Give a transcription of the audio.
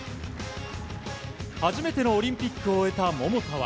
初めてのオリンピックを終えた桃田は。